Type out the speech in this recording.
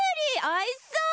おいしそう！